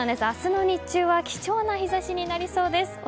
明日の日中は貴重な日差しになりそうです。